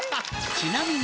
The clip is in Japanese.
ちなみに